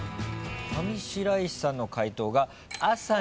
上白石さんの解答が。